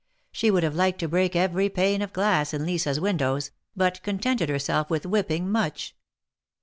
She would have liked to break every pane of glass in Lisa's windows, but contented herself with whipping Much.